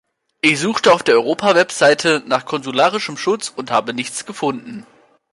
Ich suchte auf der Europa-Website nach konsularischem Schutz und habe nichts gefunden.